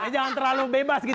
jangan terlalu bebas gitu